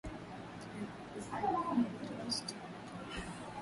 elfu kumi na nane mia tano sitini na tano